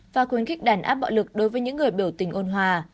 và khuyến khích đàn áp bạo lực đối với những người biểu tình ôn hòa